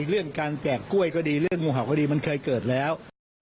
เรื่องการแจกกล้วยก็ดีเรื่องงูเห่าก็ดีมันเคยเกิดแล้ว